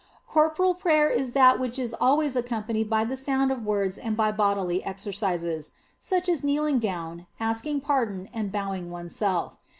Corporal prayer is that which is always accompanied by the sound of words and by bodily exercises, such as kneel ing down, asking pardon, and bowing oneself.